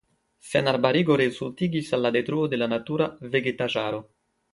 Senarbarigo resultigis al la detruo de la natura vegetaĵaro.